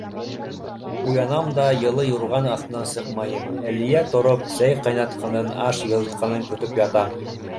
Уянам да, йылы юрған аҫтынан сыҡмайым, Әлиә тороп, сәй ҡайнатҡанын, аш йылытҡанын көтөп ятам.